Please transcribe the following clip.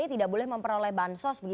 tidak boleh memperoleh bansos